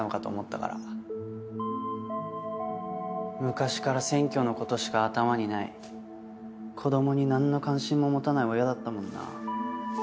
昔から選挙の事しか頭にない子供になんの関心も持たない親だったもんな。